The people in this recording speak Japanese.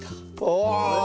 お！